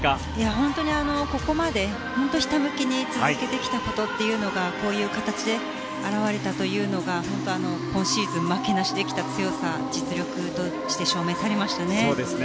本当にここまで本当にひたむきに続けてきたことというのがこういう形で表れたというのが今シーズン負けなしで来た強さ、実力として証明されましたね。